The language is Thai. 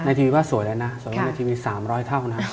ทีวีว่าสวยแล้วนะสวยในทีวี๓๐๐เท่านะ